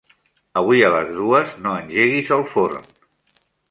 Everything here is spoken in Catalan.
Avui a les dues no engeguis el forn.